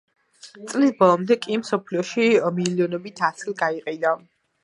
წლის ბოლომდე კი მსოფლიოში მილიონობით ასლი გაიყიდა.